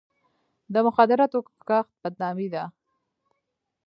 د مخدره توکو کښت بدنامي ده.